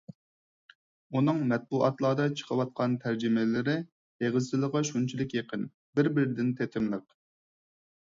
ئۇنىڭ مەتبۇئاتلاردا چىقىۋاتقان تەرجىمىلىرى ئېغىز تىلىغا شۇنچىلىك يېقىن، بىر-بىرىدىن تېتىملىق.